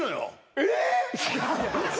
えっ！？